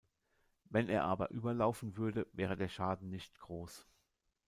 Wenn er aber überlaufen würde, wäre der Schaden nicht groß.